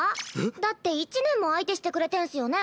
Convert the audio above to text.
だって１年も相手してくれてんスよね？